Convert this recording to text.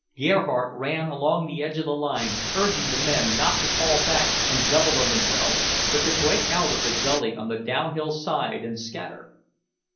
Gerhardt ran along the edge of the line, urging the men not to fall back and double on themselves, but to break out of the gully on the downhill side and scatter.